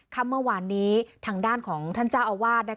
เมื่อวานนี้ทางด้านของท่านเจ้าอาวาส